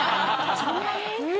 そんなに？